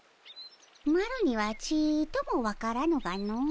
マロにはちとも分からぬがの。